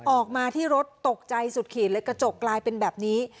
ออกมาที่รถตกใจสุดขีดเลยกระจกกลายเป็นแบบนี้